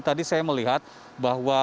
tadi saya melihat bahwa